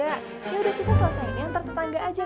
yaudah kita selesainya antar tetangga aja